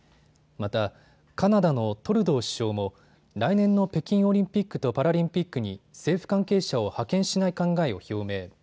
また、カナダのトルドー首相も来年の北京オリンピックとパラリンピックに政府関係者を派遣しない考えを表明。